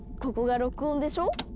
ここが録音でしょ。